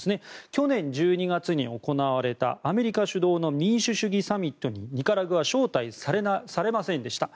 去年１２月に行われたアメリカ主導の民主主義サミットにニカラグアは招待されませんでした。